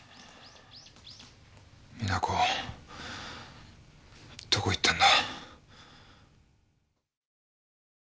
実那子どこ行ったんだ？